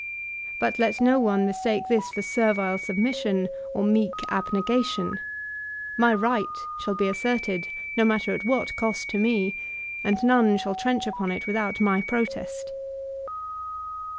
But let no one mistake this for servile submission or meek abnq; ation ; my right shall be asserted no matter at what cost to me, and none shall trench upon it without my protest.